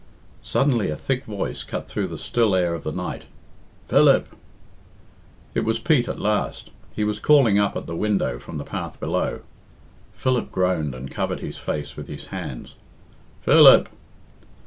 Suddenly a thick voice cut through the still air of the night. "Philip!" It was Pete at last He was calling up at the window from the path below. Philip groaned and covered his face with his hands. "Philip!"